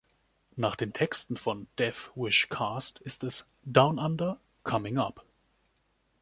Nach den Texten von Def Wish Cast ist es down under, coming up.